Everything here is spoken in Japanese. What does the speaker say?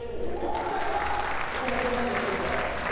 本来はここもこんなんじゃなく。